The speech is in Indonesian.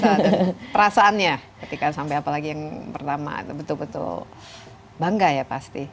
dan perasaannya ketika sampai apalagi yang pertama betul betul bangga ya pasti